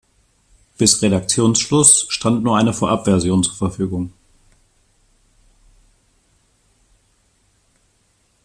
Bis Redaktionsschluss stand nur eine Vorabversion zur Verfügung.